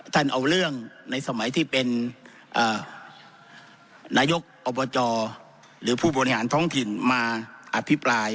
ท่านเอาเรื่องในสมัยที่เป็นนายกอบจหรือผู้บริหารท้องถิ่นมาอภิปราย